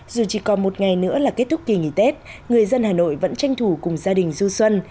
dù chỉ còn một ngày nữa là kết thúc kỳ nghỉ tết người dân hà nội vẫn tranh thủ cùng gia đình du xuân